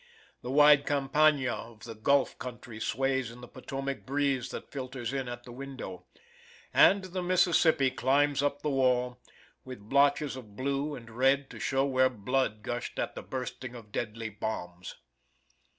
The wide campagna of the gulf country sways in the Potomac breeze that filters in at the window, and the Mississippi climbs up the wall, with blotches of blue and red to show where blood gushed at the bursting of deadly bombs.